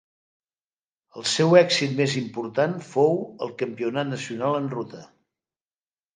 El seu èxit més important fou el Campionat nacional en ruta.